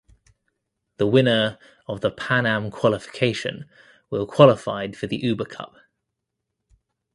The winner of the Pan Am qualification will qualified for the Uber Cup.